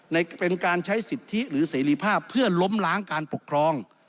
เป็นการใช้สิทธิหรือเสรีภาพเพื่อล้มล้างการปกครอง